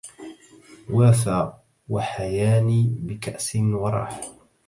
وافى وحياني بكأس وراح